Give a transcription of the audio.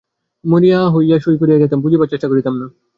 মরীয়া হইয়া সই করিয়া যাইতাম, বুঝিবার চেষ্টা করিতাম না।